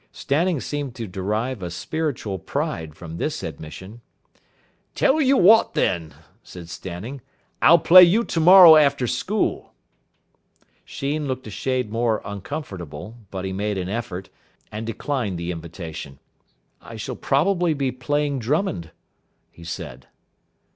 Stanning seemed to derive a spiritual pride from this admission. "Tell you what, then," said Stanning, "I'll play you tomorrow after school." Sheen looked a shade more uncomfortable, but he made an effort, and declined the invitation. "I shall probably be playing Drummond," he said.